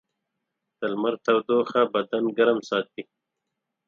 د لمر تودوخه بدن ګرم ساتي.